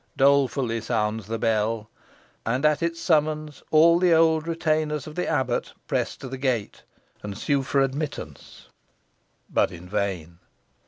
Dolefully sounds the bell. And at its summons all the old retainers of the abbot press to the gate, and sue for admittance, but in vain.